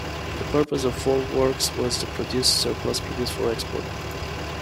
The purpose of folwarks was to produce surplus produce for export.